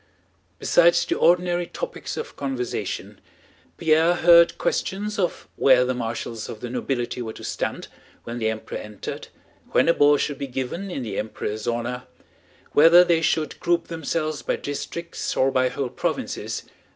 Besides the ordinary topics of conversation, Pierre heard questions of where the marshals of the nobility were to stand when the Emperor entered, when a ball should be given in the Emperor's honor, whether they should group themselves by districts or by whole provinces...